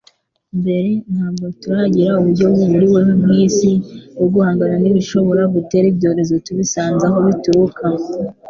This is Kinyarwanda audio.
mbere, ntabwo turagira uburyo buhuriweho nk'isi bwo guhangana n'ibishobora gutera ibyorezo tubisanze aho bituruka.